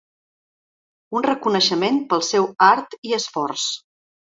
Un reconeixement pel seu art i esforç.